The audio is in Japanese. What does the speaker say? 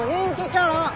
キャラ？